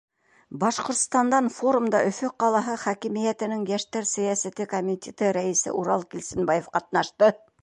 Башҡортостандан форумда Өфө ҡалаһы хакимиәтенең Йәштәр сәйәсәте комитеты рәйесе Урал Килсенбаев ҡатнашты.